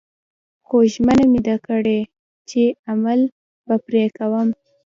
خو ژمنه مې ده کړې چې عمل به پرې کوم